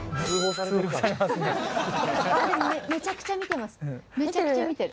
めちゃくちゃ見てる。